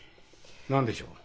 何でしょう？